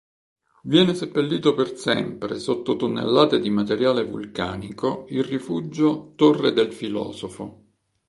Viene seppellito per sempre sotto tonnellate di materiale vulcanico il rifugio "Torre del Filosofo".